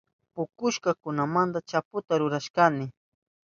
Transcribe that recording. Pukushka kunamanta chaputa rurashkani.